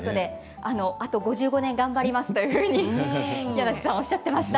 あと５５年は頑張りますというふうに柳瀬さんはおっしゃっていました。